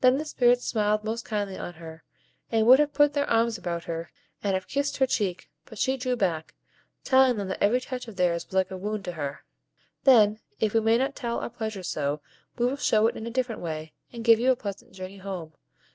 Then the Spirits smiled most kindly on her, and would have put their arms about her, and have kissed her cheek, but she drew back, telling them that every touch of theirs was like a wound to her. "Then, if we may not tell our pleasure so, we will show it in a different way, and give you a pleasant journey home.